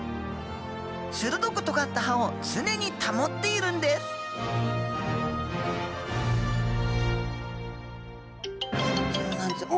鋭くとがった歯を常に保っているんですそうなんですおおっ！